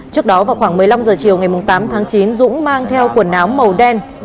trước đó vào khoảng một mươi năm h chiều ngày tám tháng chín dũng mang theo quần áo màu đen